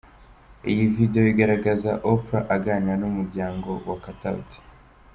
Iyi video igaragaza Oprah aganira n’umuryango wa Katauti.